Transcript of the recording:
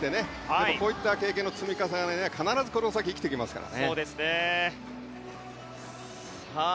でもこういった経験の積み重ねが必ずこの先生きてきますから。